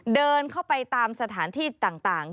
เดินเข้าไปตามสถานที่ต่าง